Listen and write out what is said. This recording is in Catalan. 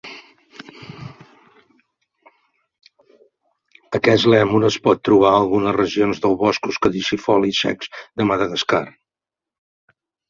Aquest lèmur es pot trobar a algunes regions dels boscos caducifoli secs de Madagascar.